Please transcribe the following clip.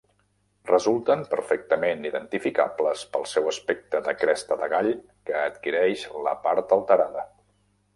Resulten perfectament identificables pel seu aspecte de cresta de gall que adquireix la part alterada.